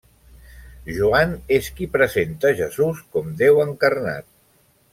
Joan és qui presenta Jesús com Déu encarnat.